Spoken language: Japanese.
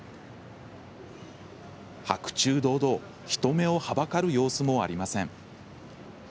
白昼堂々人目をはばかる様子もありません。